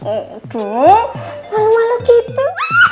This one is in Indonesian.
aduh malu malu gitu